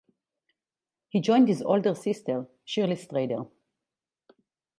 He joined his older sister, Shirley Strader.